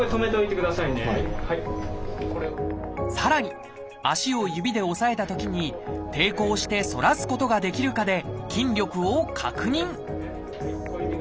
さらに足を指で押さえたときに抵抗して反らすことができるかで筋力を確認